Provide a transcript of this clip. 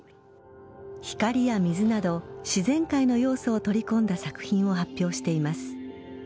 光や水など自然界の要素を取り込んだ作品を発表しています。